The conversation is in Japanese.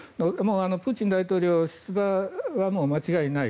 プーチン大統領出馬はもう間違いない。